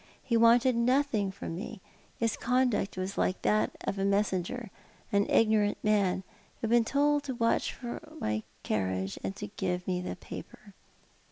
He wanted nothing from me. His conduct was like that of a messenger — an ignorant man — who had been told to watch for my carriage and to give me that paper."